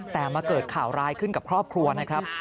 แต่มาเกิดข่าวร้ายขึ้นกับครอบครัวนะครับ